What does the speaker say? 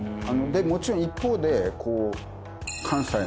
もちろん一方で。